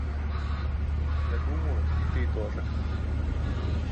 Я думаю, и ты тоже.